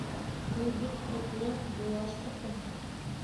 Ул бит ҡотло, йыуаш тоҡом!